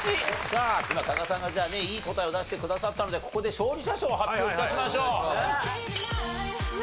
さあ今加賀さんがじゃあねいい答えを出してくださったのでここで勝利者賞を発表致しましょう。